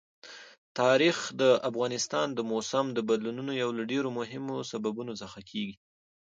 تاریخ د افغانستان د موسم د بدلون یو له ډېرو مهمو سببونو څخه کېږي.